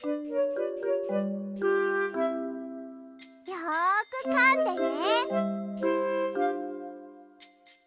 よくかんでね！